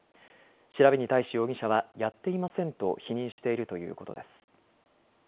調べに対し容疑者はやっていませんと否認しているということです。